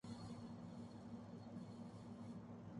پنے راستے کی ہر رکاوٹ کو